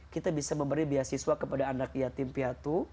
kita bisa memberi beasiswa kepada anak yatim piatu